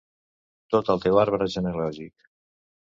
Tot el teu arbre genealògic.